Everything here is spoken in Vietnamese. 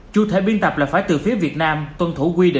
chủ thể biên tập là phải từ phía việt nam tuân thủ quy định của việt nam